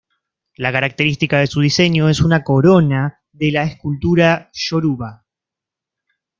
La característica de su diseño es una corona de la escultura yoruba.